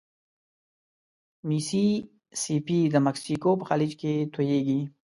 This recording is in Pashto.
ميسي سي پي د مکسیکو په خلیج توییږي.